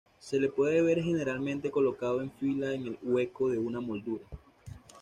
Se lo puede ver generalmente colocado en fila en el hueco de una moldura.